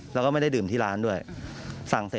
อยู่ดีมาตายแบบเปลือยคาห้องน้ำได้ยังไง